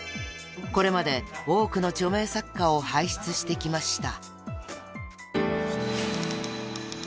［これまで多くの著名作家を輩出してきました］